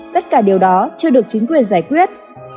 tất cả điều đó chưa được chính quyền giải quyết